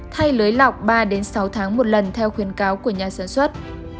thay lưới lọc ba sáu tháng một lần theo khuyến cáo của nhà sản xuất